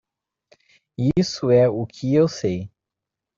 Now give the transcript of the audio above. Isso é o que eu sei.